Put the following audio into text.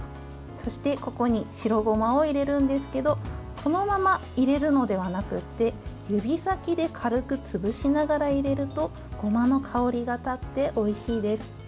そして、ここに白ごまを入れるんですけどそのまま入れるのではなくて指先で軽く潰しながら入れるとごまの香りが立っておいしいです。